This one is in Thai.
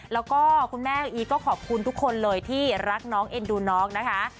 แล้วก็คุณแม่อีก็ขอบคุณทุกคนเลยที่รักน้องเอ็นดูน้องนะคะ